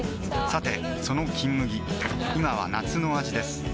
さてその「金麦」今は夏の味です